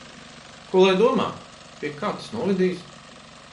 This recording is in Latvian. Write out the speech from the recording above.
Ko lai domā? Pie kā tas novedīs?